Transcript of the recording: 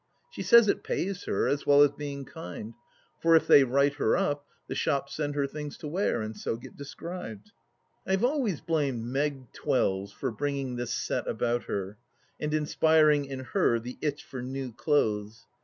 She says it pays her, as well as being kind ; for if they write her up, the shops send her things to wear, and so get described. I have always blamed Meg Twells for bringing this set about her and inspiring in her the itch for new clothes.